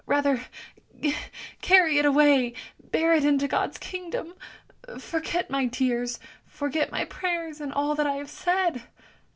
Rather carry it away! bear it into God's kingdom! Forget my tears, forget my prayers, and all that I have said!